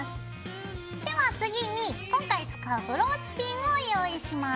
では次に今回使うブローチピンを用意します。